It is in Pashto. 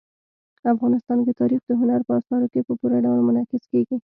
افغانستان کې تاریخ د هنر په اثارو کې په پوره ډول منعکس کېږي.